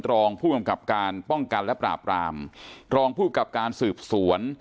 รองผู้กำกับการป้องกันและปราบรามรองภูมิกับการสืบสวน